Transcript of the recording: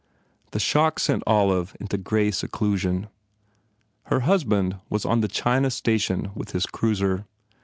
The shock sent Olive into grey seclusion. Her hus band was on the China station with his cruiser.